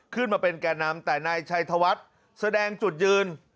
ขึ้นมาเป็นแก่นำแต่นายชัยธวัฒน์แสดงจุดยืน